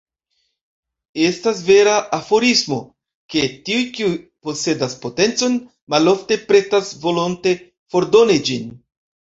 Estas vera aforismo, ke “tiuj, kiuj posedas potencon, malofte pretas volonte fordoni ĝin.